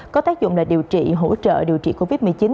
có tác dụng là điều trị hỗ trợ điều trị covid một mươi chín